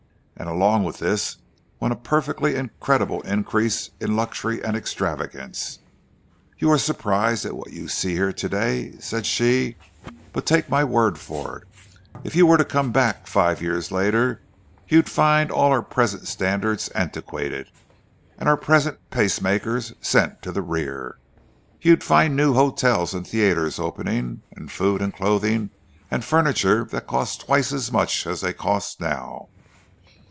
And along with this went a perfectly incredible increase in luxury and extravagance. "You are surprised at what you see here to day," said she—"but take my word for it, if you were to come back five years later, you'd find all our present standards antiquated, and our present pace makers sent to the rear. You'd find new hotels and theatres opening, and food and clothing and furniture that cost twice as much as they cost now.